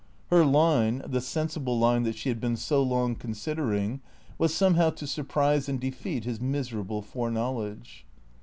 Her line, the sensible line that she had been so long considering, was somehow to surprise and defeat his miserable foreknowledge.